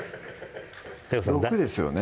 ６ですよね